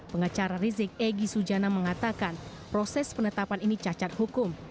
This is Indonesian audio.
pengacara rizik egy sujana mengatakan proses penetapan ini cacat hukum